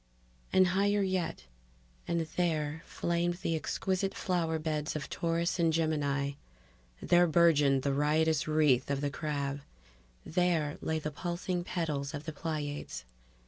And higher yet and there flamed the exquisite flower beds of Taurus and Gemini, there burgeoned the riotous wreath of the Crab; there lay the pulsing petals of the Pleiades